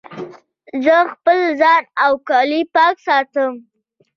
زه خپل ځان او کالي پاک ساتم.